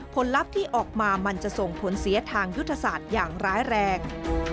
ลัพธ์ที่ออกมามันจะส่งผลเสียทางยุทธศาสตร์อย่างร้ายแรง